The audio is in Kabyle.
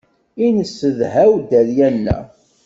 I nesedhaw dderya-nneɣ.